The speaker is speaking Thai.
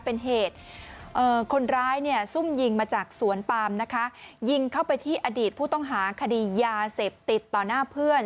เป็นเหตุคนร้ายเนี่ยซุ่มยิงมาจากสวนปามนะคะยิงเข้าไปที่อดีตผู้ต้องหาคดียาเสพติดต่อหน้าเพื่อน